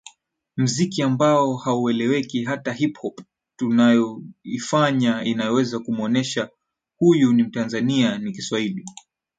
muziki ambao haueleweki hata hip hop tunayoifanya inayoweza kumuonesha huyu ni mtanzania ni Kiswahili